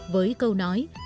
với câu nói